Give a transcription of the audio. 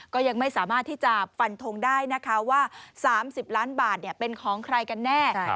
ก็ยังไม่สามารถที่จะฟันทงได้นะคะว่า๓๐ล้านบาทเป็นของใครกันแน่